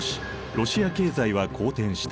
ロシア経済は好転した。